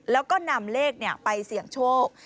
แล้วก็นำเลขไปเสี่ยงโชค